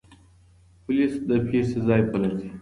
پوليس د پېښې ځای پلټي.